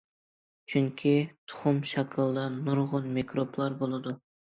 چۈنكى تۇخۇم شاكىلىدا نۇرغۇن مىكروبلار بولىدۇ.